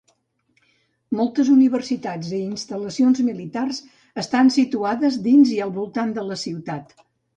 Moltes universitats i instal·lacions militars estan situades dins i al voltant de la ciutat.